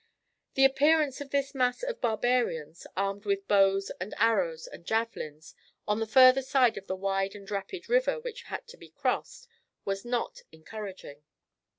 The appearance of this mass of barbarians, armed with bows and arrows and javelins, on the further side of the wide and rapid river which had to be crossed, was not encouraging.